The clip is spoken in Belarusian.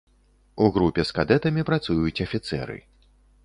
У групе з кадэтамі працуюць афіцэры.